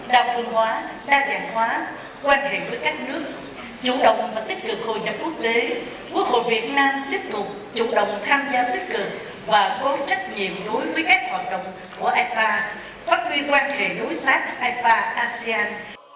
đa phương hóa đa dạng hóa quan hệ với các nước chủ động và tích cực hội nhập quốc tế quốc hội việt nam tiếp tục chủ động tham gia tích cực và có trách nhiệm đối với các hoạt động của ipa phát huy quan hệ đối tác ipa asean